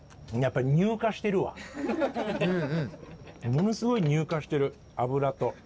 ものすごい乳化してる油と。